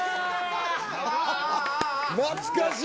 懐かしい。